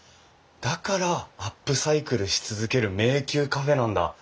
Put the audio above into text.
だから「アップサイクルし続ける迷宮カフェ」なんだ。